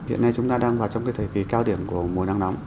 hiện nay chúng ta đang vào trong cái thời kỳ cao điểm của mùa nắng nóng